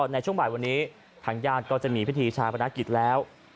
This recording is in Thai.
ในช่วงบ่ายวันนี้ทางยากว่าก็มีพิธีชาญภักษณะกิทย์แล้ว